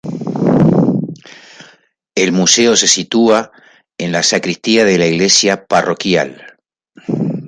El museo se sitúa en la sacristía de la iglesia parroquial.